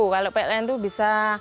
kalau pln itu bisa tiga ribu lima ratus